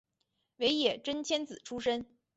尾野真千子出身。